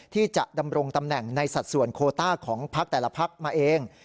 ที่จะดำรงตำแหน่งในสัดส่วนโคต้าของพักแต่ละพักมาเอง